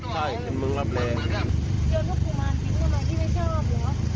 ใช่เป็นเมืองรับแรงมันมาแล้วเจอพวกกุมารทิ้งทำไมที่ไม่ชอบหรือ